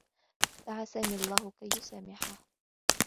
دعى سامي لله كي يسامحه.